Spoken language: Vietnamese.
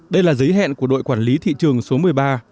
đây là giấy hẹn của đội quản lý thị trường số một mươi ba